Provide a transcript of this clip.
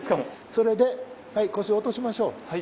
それで腰落としましょう。